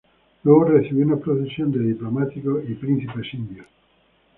Luego recibió una procesión de diplomáticos y príncipes indios.